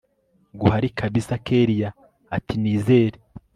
guhari kabsa kellia atinizere